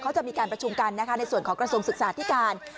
เขาจะมีการประชุมกันนะคะในส่วนของกระทรวงศึกษาที่การ